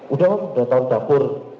udah om udah tau dapur